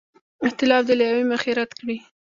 اختلاف دې له یوې مخې رد کړي.